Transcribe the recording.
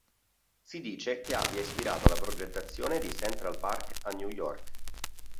Si dice che abbia ispirato la progettazione di Central Park a New York.